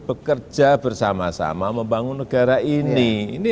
bekerja bersama sama membangun negara ini